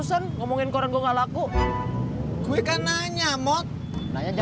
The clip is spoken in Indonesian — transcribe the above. saya kan cuma bercanda